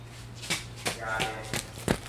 ยาแดง